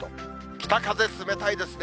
北風冷たいですね。